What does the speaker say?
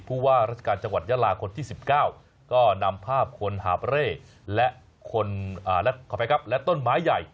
ผู้ว่าราชการจังหวัดยาลาคนที่๑๙ก็นำภาพคนหาบเร่และคนครับและต้นไม้ใหญ่